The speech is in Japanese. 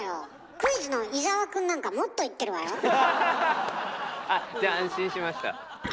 クイズの伊沢くんなんかあっじゃあ安心しました。